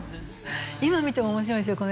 今見ても面白いですよ